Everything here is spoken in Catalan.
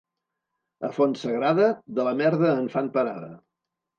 A Fontsagrada, de la merda en fan parada.